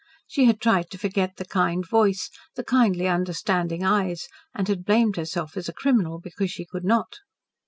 She had tried to forget the kind voice, the kindly, understanding eyes, and had blamed herself as a criminal because she could not.